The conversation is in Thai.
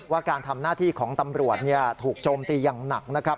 การทำหน้าที่ของตำรวจถูกโจมตีอย่างหนักนะครับ